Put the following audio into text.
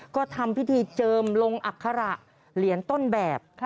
ก็ทำพิธีเจิมลงอัคระเหรียญต้นแบบ